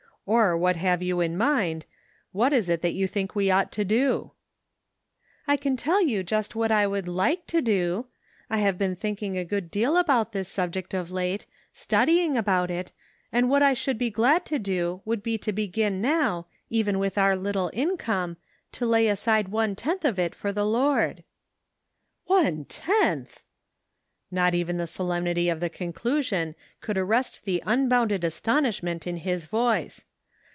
Or, what have you in mind ; what is it that . you think we ought to do ?" "I can tell you just what I would like to do; I have been thinking a good deal about this subject of late, studying about it, and what I should be glad to do would be to begin now, even with our little income, to lay aside one tenth of it for the Lord." 20 The Pocket Measure. " One tenth !" Not even the solemnity of the conclusion could arrest the unbounded astonishment in his voice.